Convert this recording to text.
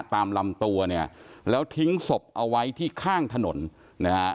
ตามลำตัวเนี่ยแล้วทิ้งศพเอาไว้ที่ข้างถนนนะฮะ